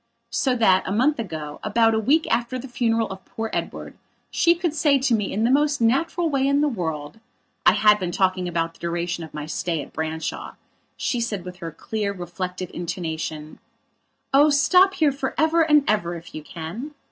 So that, a month ago, about a week after the funeral of poor Edward, she could say to me in the most natural way in the worldI had been talking about the duration of my stay at Branshawshe said with her clear, reflective intonation: "Oh, stop here for ever and ever if you can."